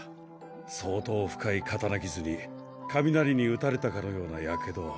相当深い刀傷に雷に打たれたかのような火傷。